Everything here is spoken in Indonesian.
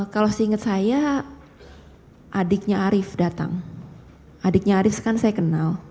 kalau seinget saya adiknya arief datang adiknya arief kan saya kenal